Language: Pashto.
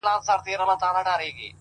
هره تجربه د درک ژورتیا زیاتوي،